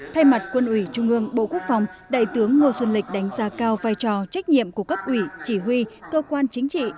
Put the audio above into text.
thay mặt quân ủy trung ương bộ quốc phòng đại tướng ngô xuân lịch đánh giá cao vai trò trách nhiệm của cấp ủy chỉ huy cơ quan chính trị